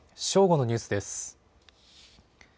正午のニュースです。